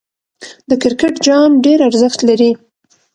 د کرکټ جام ډېر ارزښت لري.